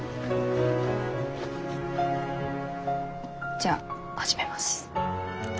じゃあ始めます。